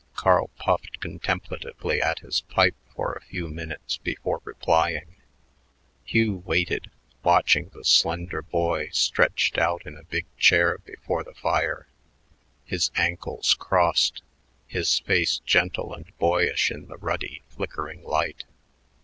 Carl puffed contemplatively at his pipe for a few minutes before replying. Hugh waited, watching the slender boy stretched out in a big chair before the fire, his ankles crossed, his face gentle and boyish in the ruddy, flickering light.